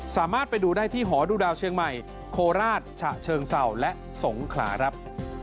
สามารถไปดูได้ที่หอดูดาวเชียงใหม่โคราชฉะเชิงเศร้าและสงขลาครับ